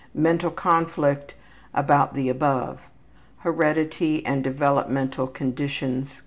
Mental conflict about the above. Heredity and developmental conditions